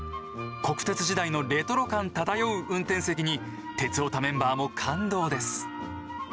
国鉄時代のレトロ感漂う運転席に「鉄オタ」メンバーも感動です。